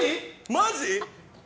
マジ？